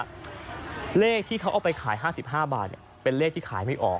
เลขที่เขาเอาไปขาย๕๕บาทเป็นเลขที่ขายไม่ออก